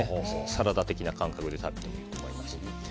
サラダ的な感覚で食べてもいいと思います。